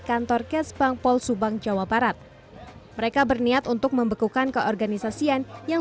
kantor kes bank pol subang jawa barat mereka berniat untuk membekukan keorganisasian yang